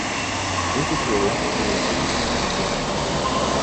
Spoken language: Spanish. Voz de Jehová que derrama llamas de fuego.